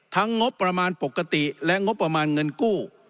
งบประมาณปกติและงบประมาณเงินกู้